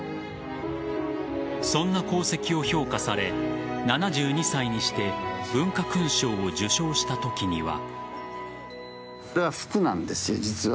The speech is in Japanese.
そんな功績を評価され７２歳にして文化勲章を受章したときには。